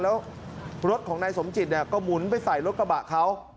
แล้วรถของนายสมจิตก็หมุนไปใส่รถกระบะเขา